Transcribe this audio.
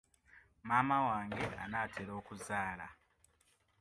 Maama wange anaatera okuzaala.